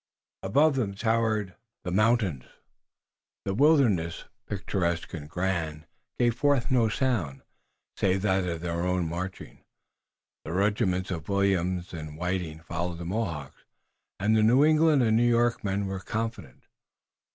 Above them towered the mountains. The wilderness, picturesque and grand, gave forth no sound, save that of their own marching. The regiments of Williams and Whiting followed the Mohawks, and the New England and New York men were confident.